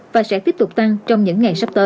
và sẽ tiếp tục tăng